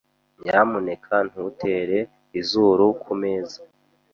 Nyamuneka ntutere izuru kumeza.